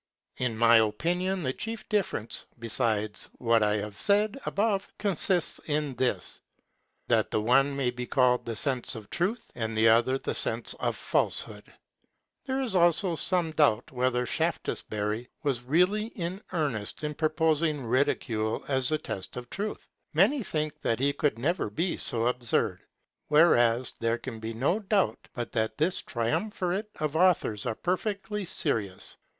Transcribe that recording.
In my opinion the chief difference, besides what I have said above, consists in this, that the one may be called the sense of truth, and the other the sense of falsehood. There is also some doubt whether Shaftesbury was really in earnest in proposing ridicule as the test of truth. Many think that he could never be so absurd. Whereas there can be no doubt but that this triumvirate of authors are perfectly serious.